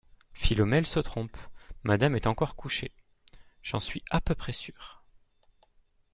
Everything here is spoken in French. Philomèle se trompe ; Madame est encore couchée, j’en suis à peu près sûr.